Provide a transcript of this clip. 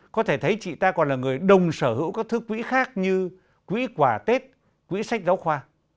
có thể thấy chị ta còn là người đồng sở hữu các thứ quỹ khác như quỹ quà tết quỹ sách giáo khoa